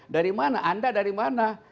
dari mana anda dari mana